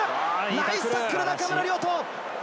ナイスタックル、中村亮土。